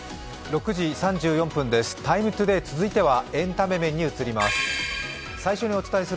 「ＴＩＭＥ，ＴＯＤＡＹ」、続いてはエンタメ面に移ります。